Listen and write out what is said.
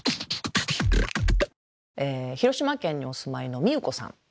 広島県にお住まいのみゆこさん